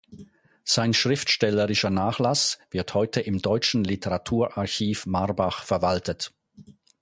Sein schriftstellerischer Nachlass wird heute im Deutschen Literaturarchiv Marbach verwaltet.